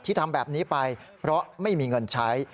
ทำแบบนี้ไปเพราะไม่มีเงินใช้